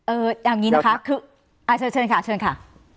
เอาอย่างนี้นะคะคือเชิญค่ะเชิญค่ะ